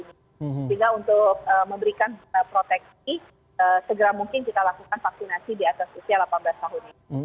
sehingga untuk memberikan proteksi segera mungkin kita lakukan vaksinasi di atas usia delapan belas tahun ini